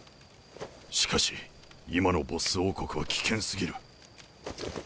しかし今のボッス王国は危険すぎる。